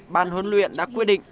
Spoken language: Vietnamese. ban huấn luyện đã quyết định